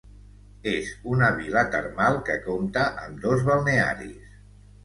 És una vila termal, que compta amb dos balnearis.